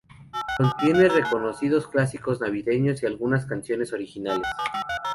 Contiene reconocidos clásicos navideños y algunas canciones originales.